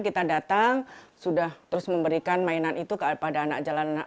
kita datang sudah terus memberikan mainan itu kepada anak jalanan